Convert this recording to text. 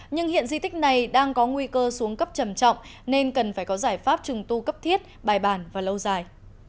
nhưng hiện di tích này đang có nguy cơ xuống cấp trầm trọng nên cần phải có giải pháp trùng tu cấp thiết bài bản và lâu dài